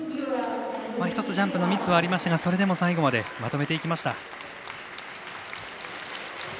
１つ、ジャンプのミスはありましたがそれでも最後までまとめていきました。